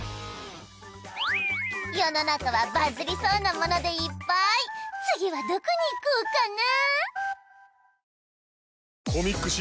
世の中はバズりそうなものでいっぱい次はどこに行こうかな？